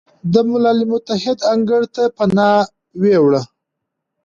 د ملل متحد انګړ ته پناه ویوړه،